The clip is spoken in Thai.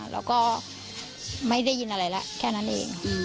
แล้วก็ไม่ได้ยินอะไรแล้วแค่นั้นเอง